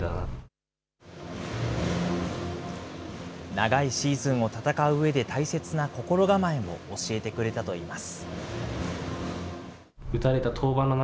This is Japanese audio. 長いシーズンを戦ううえで大切な心構えを教えてくれたといいます。